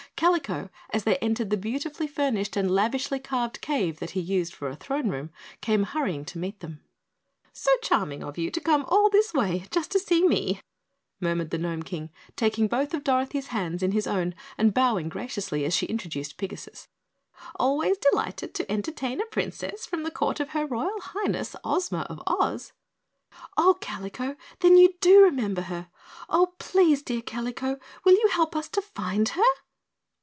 Kalico, as they entered the beautifully furnished and lavishly carved cave that he used for a throne room, came hurrying to meet them. "So charming of you to come all this way just to see me," murmured the Gnome King, taking both of Dorothy's hands in his own and bowing graciously as she introduced Pigasus. "Always delighted to entertain a Princess from the Court of her Royal Highness, Ozma of Oz!" "Oh, Kalico then you DO remember her! Oh, please, dear Kalico, will you help us to find her?"